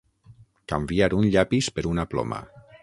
Canviar un llapis per una ploma.